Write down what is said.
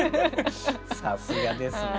さすがですね。